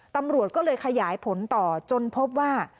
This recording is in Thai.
ตำรวจก็เลยขยายผลต่อจนพบว่า